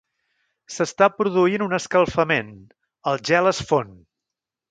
S'està produint un escalfament, el gel es fon.